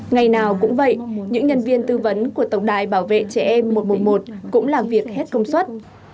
ngày nào cũng vậy những nhân viên tư vấn của tổng đài bảo vệ trẻ em một trăm một mươi một cũng làm việc hết công suất